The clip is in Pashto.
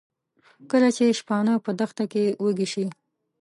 کله چې شپانه په دښته کې وږي شي.